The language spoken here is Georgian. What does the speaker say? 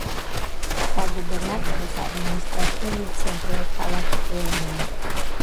საგუბერნატოროს ადმინისტრაციული ცენტრია ქალაქი ელ-მინია.